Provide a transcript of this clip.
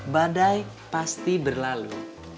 badai pasti berlalu